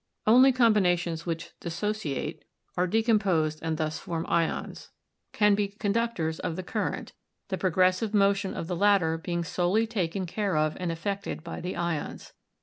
"Only combinations which dissociate — are decomposed and thus form ions — can be conductors of the current, the progressive motion of the latter being solely taken care of and effected by the ions.